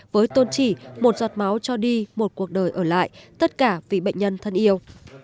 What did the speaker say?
với tôn chỉ một giọt máu cho đi một cuộc đời ở lại tất cả vì bệnh nhân thân yêu